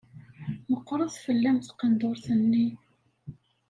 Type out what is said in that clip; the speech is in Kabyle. Meqqret fell-am tqendurt-nni.